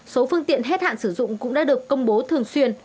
số phương tiện hết hạn sử dụng cũng đã được công bố thường xuyên